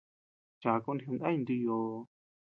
Chakun jidinay ntu yoo.